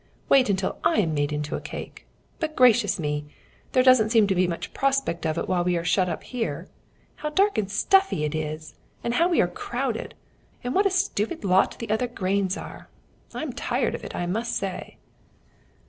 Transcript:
Wait until I am made into cake. But gracious me! there doesn't seem much prospect of it while we are shut up here. How dark and stuffy it is, and how we are crowded, and what a stupid lot the other grains are! I'm tired of it, I must say."